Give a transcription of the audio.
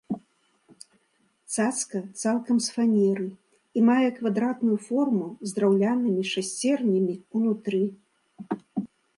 Цацка цалкам з фанеры і мае квадратную форму з драўлянымі шасцернямі ўнутры.